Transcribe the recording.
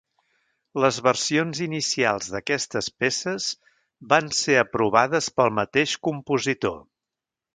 Les versions inicials d'aquestes peces van ser aprovades pel mateix compositor.